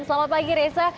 selamat pagi reza